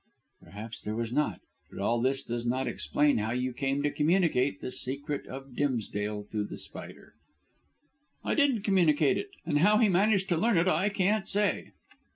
"Perhaps there was not. But all this does not explain how you came to communicate the secret of Dimsdale to The Spider." "I didn't communicate it, and how he managed to learn it I can't say."